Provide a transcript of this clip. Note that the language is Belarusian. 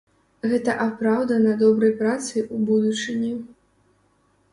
Гэта апраўдана добрай працай у будучыні.